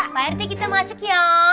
pak rt kita masuk yuk